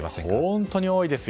本当に多いです。